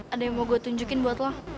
ada yang mau gue tunjukin buat lo